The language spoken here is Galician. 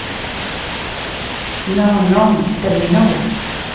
Non, non, ¡terminou!